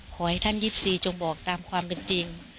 ขอให้ท่าน๒๔จงบอกตามความเป็นจริง